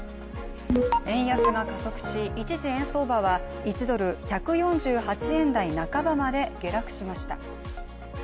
円安が加速し、一時、円相場は１ドル＝１４８円台半ばまで下落しました。